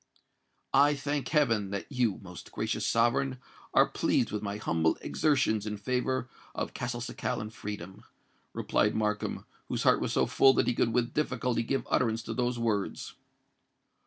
"I thank heaven, that you, most gracious sovereign, are pleased with my humble exertions in favour of Castelcicalan freedom," replied Markham, whose heart was so full that he could with difficulty give utterance to those words.